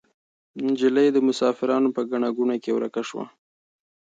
نجلۍ د مسافرانو په ګڼه ګوڼه کې ورکه شوه.